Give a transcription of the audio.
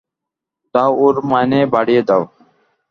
তা, ওর মাইনে বাড়িয়ে দাও!